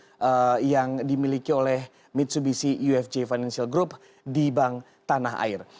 ini adalah yang dimiliki oleh mitsubishi ufj financial group di bank tanah air